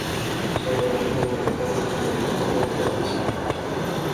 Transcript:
ساحرہ انیں نیاں گلاں بجی تے اس کمرے لے اینی سی